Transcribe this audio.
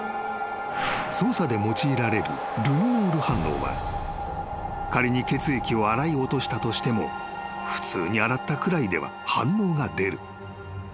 ［捜査で用いられるルミノール反応は仮に血液を洗い落としたとしても普通に洗ったくらいでは反応が出る］